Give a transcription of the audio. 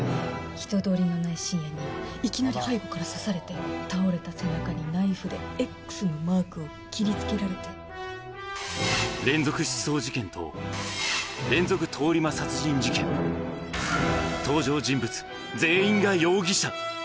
人通りのない深夜にいきなり背後から刺されて倒れた背中にナイフ連続失踪事件と、連続通り魔殺人事件、登場人物、全員が容疑者。